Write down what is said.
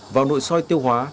vào nội soi tiêu hóa